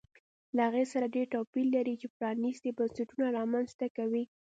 له هغې سره ډېر توپیر لري چې پرانیستي بنسټونه رامنځته کوي